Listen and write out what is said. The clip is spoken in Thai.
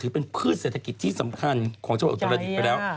เป็นพืชเศรษฐกิจที่สำคัญของจังหวัดอุตรดิษฐ์ไปแล้ว